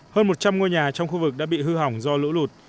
hơn một trăm linh ngôi nhà trong khu vực đã bị hư hỏng do lũ lụt